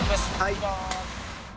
いきます。